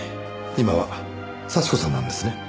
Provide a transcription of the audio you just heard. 今は幸子さんなんですね？